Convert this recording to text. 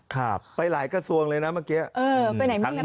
ครับไปหลายรักษีส่วนเลยนะเมื่อกี้เออไปไหนมั้ยครับที่เกิน